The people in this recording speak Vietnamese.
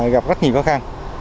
gặp rất nhiều khó khăn